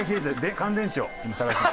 乾電池を？